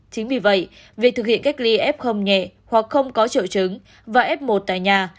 chính vì vậy việc thực hiện cách ly f nhẹ hoặc không có triệu chứng và f một tại nhà